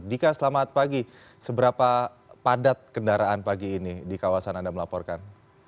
dika selamat pagi seberapa padat kendaraan pagi ini di kawasan anda melaporkan